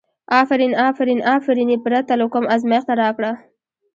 افرین افرین، افرین یې پرته له کوم ازمېښته راکړه.